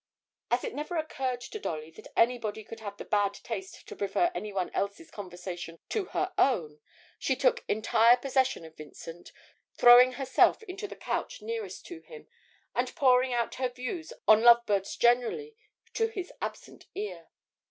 As it never occurred to Dolly that anybody could have the bad taste to prefer any one else's conversation to her own, she took entire possession of Vincent, throwing herself into the couch nearest to him, and pouring out her views on lovebirds generally to his absent ear.